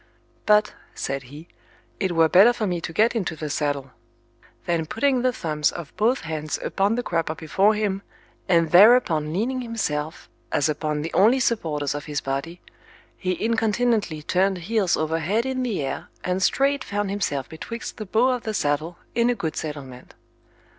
But, said he, it were better for me to get into the saddle; then putting the thumbs of both hands upon the crupper before him, and thereupon leaning himself, as upon the only supporters of his body, he incontinently turned heels over head in the air, and straight found himself betwixt the bow of the saddle in a good settlement.